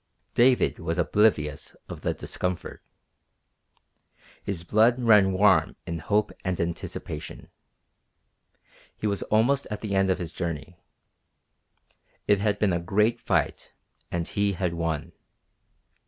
David was oblivious of the discomfort. His blood ran warm in hope and anticipation. He was almost at the end of his journey. It had been a great fight, and he had won.